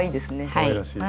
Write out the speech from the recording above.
かわいらしい。